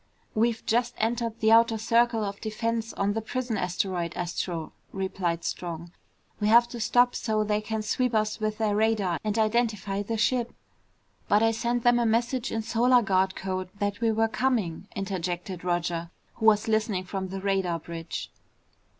"We've just entered the outer circle of defense on the prison asteroid, Astro," replied Strong. "We have to stop so they can sweep us with their radar and identify the ship." "But I sent them a message in Solar Guard code that we were coming," interjected Roger who was listening from the radar bridge.